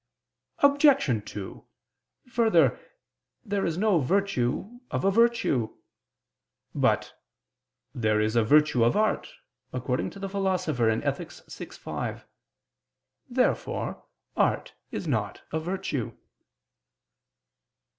Obj. 2: Further, there is no virtue of a virtue. But "there is a virtue of art," according to the Philosopher (Ethic. vi, 5). Therefore art is not a virtue.